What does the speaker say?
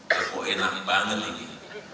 tapi enak banget ini